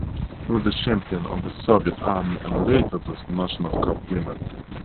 He was the champion of the Soviet Army and later the national cup winner.